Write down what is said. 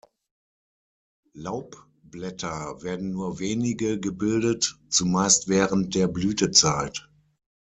Laubblätter werden nur wenige gebildet, zumeist während der Blütezeit.